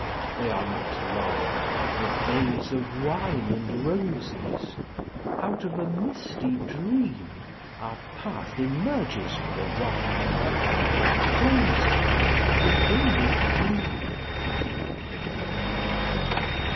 They are not long, the days of wine and roses: Out of a misty dream Our path emerges for a while, then closes Within a dream.